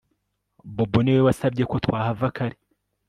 Bobo niwe wasabye ko twahava kare